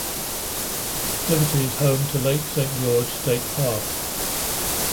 Liberty is home to Lake Saint George State Park.